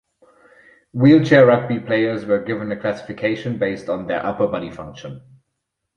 Wheelchair rugby players were given a classification based on their upper body function.